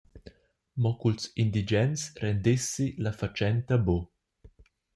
Mo culs indigens rendessi la fatschenta buc.